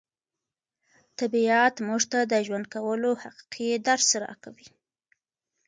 طبیعت موږ ته د ژوند کولو حقیقي درس راکوي.